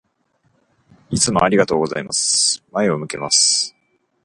いつもありがとうございます。前を向けます。